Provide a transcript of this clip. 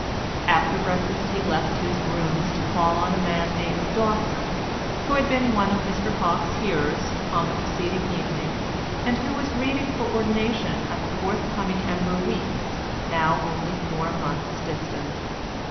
After breakfast he left his rooms to call on a man named Dawson, who had been one of Mr Hawke's hearers on the preceding evening, and who was reading for ordination at the forthcoming Ember Weeks, now only four months distant.